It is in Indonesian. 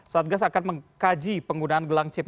satgas akan mengkaji penggunaan gelang chip